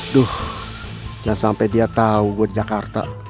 duh jangan sampe dia tau gue di jakarta